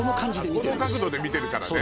この角度で見てるからね